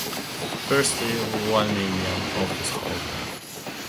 Firstly, one may be an office-holder.